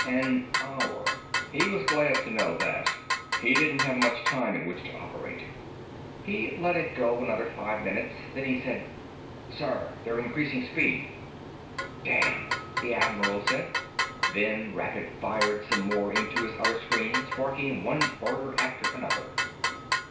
An hour. He was glad to know that. He didn't have much time in which to operate. He let it go another five minutes, then he said, "Sir, they're increasing speed." "Damn," the Admiral said, then rapid fired some more into his other screens, barking one order after another.